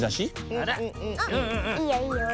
あっいいよいいよ。